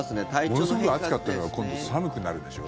ものすごく暑かったのが今度寒くなるでしょう？